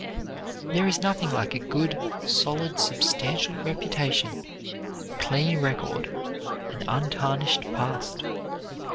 There is nothing like a good, solid, substantial reputation, a clean record, an untarnished past.